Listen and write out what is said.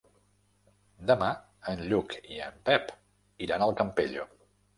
Demà en Lluc i en Pep iran al Campello.